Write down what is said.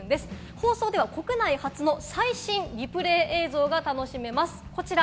放送では国内初の最新リプレー映像が楽しめます、こちら。